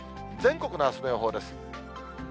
全国のあすの予報です。